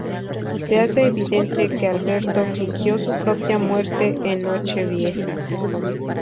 Se hace evidente que Alberto fingió su propia muerte en Noche Vieja.